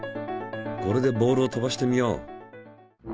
これでボールを飛ばしてみよう。